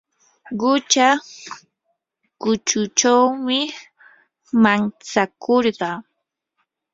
qucha kuchunchawmi mantsakurqaa.